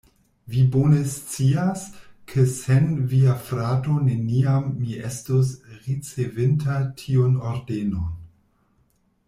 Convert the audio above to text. Vi bone scias, ke sen via frato neniam mi estus ricevinta tiun ordenon.